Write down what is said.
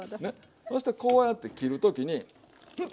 そしてこうやってきる時に。